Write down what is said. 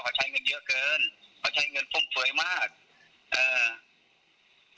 เขาใช้เงินเยอะเกินเขาใช้เงินฟุ่มสวยมากเอ่อ